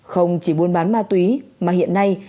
không chỉ buôn bán ma túy mà hiện nay